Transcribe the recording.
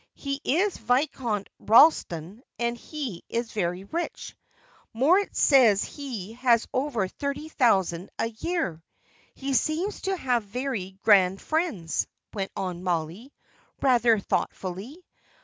He is Viscount Ralston, and he is very rich. Moritz says he has over thirty thousand a year. He seems to have very grand friends," went on Molly, rather thoughtfully.